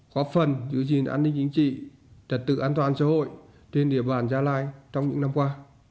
có phần giữ gìn an ninh chính trị trật tự an toàn xã hội trên địa bàn gia lai trong những năm qua